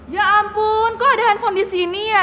ya ampun kok ada handphone di sini ya